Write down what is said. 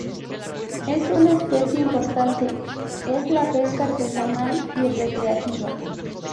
Es una especie importante es la pesca artesanal y recreativa.